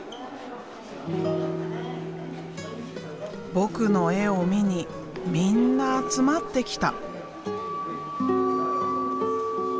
僕の絵を見にみんな集まってきた。